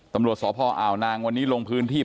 ตำรวจสพอ่าวนางวันนี้ลงพื้นที่